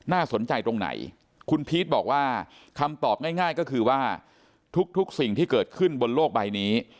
สนใจตรงไหนคุณพีชบอกว่าคำตอบง่ายก็คือว่าทุกสิ่งที่เกิดขึ้นบนโลกใบนี้